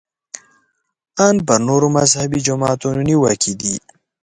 ان پر نورو مذهبي جماعتونو نیوکې دي.